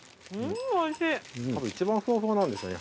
たぶん一番ふわふわなんですよね